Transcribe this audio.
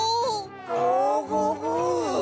ゴゴゴ。